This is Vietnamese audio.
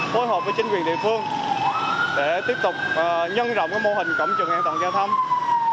phối hợp với chính quyền địa phương để tiếp tục nhân rộng mô hình cổng trường an toàn giao thông